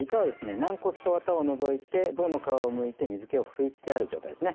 軟骨とワタを除いて胴の皮をむいて水けを拭いてある状態ですね。